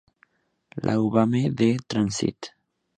La Baume-de-Transit